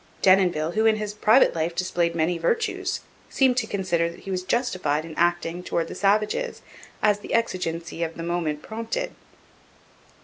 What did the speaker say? Denonville, who in his private life displayed many virtues, seemed to consider that he was justified in acting towards the savages as the exigency of the moment prompted.